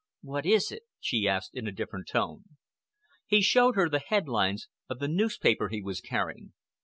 "What is it?" she asked, in a different tone. He showed her the headlines of the newspaper he was carrying.